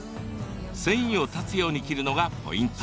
繊維を断つように切るのがポイント。